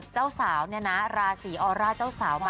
เจ้าสาวเนี่ยนะลาสีออรอ่ามาเต็ม